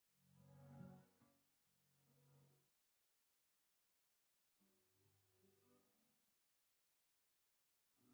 uge kris kayak westminster great sekarang